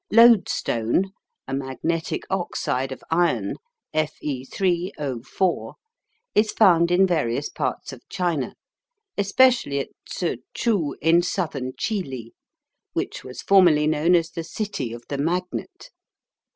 Lodestone, a magnetic oxide of iron (FE3O4), is found in various parts of China, especially at T'szchou in Southern Chihli, which was formerly known as the "City of the Magnet."